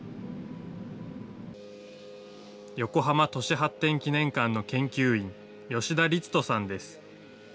横浜都市発展記念館の研究員、吉田律人さんです。